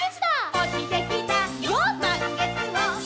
「おちてきたまんげつを」